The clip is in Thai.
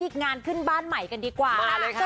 อีกงานขึ้นบ้านใหม่กันดีกว่า